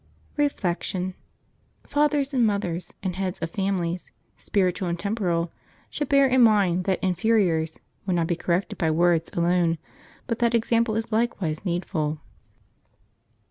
Reflection. — Fathers and mothers, and heads of fami lies, spiritual and temporal, should bear in mind that in feriors "will not be corrected by words" alone, but that example is likewise needful.